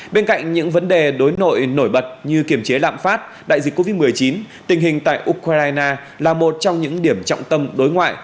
bên cạnh những vấn đề đối nội bật như kiểm chế lạm phát đại dịch covid một mươi chín tình hình tại ukraine là một trong những điểm trọng tâm đối ngoại